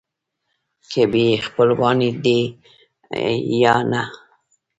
که یې خپلوان دي یا نه.